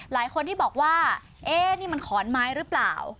หลายคนที่บอกว่าเอ๊ะนี่มันขอนไม้หรือเปล่า